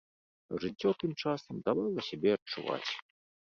А жыццё тым часам давала сябе адчуваць.